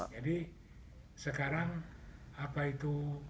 jadi sekarang apa itu